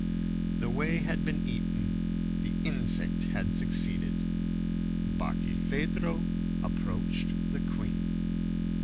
The way had been eaten, the insect had succeeded. Barkilphedro approached the queen.